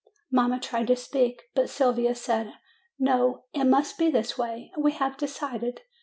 Mamma tried to speak; but Sylvia said: "No; it must be this way. We have decided.